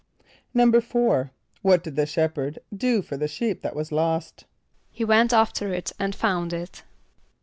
= =4.= What did the shepherd do for the sheep that was lost? =He went after it and found it.